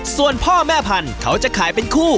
ส่วนพ่อแม่พันธุ์เขาจะขายเป็นคู่